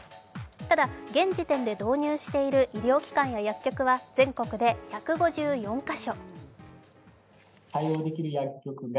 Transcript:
ただ現時点で導入している医療機関や薬局は全国で１５４か所。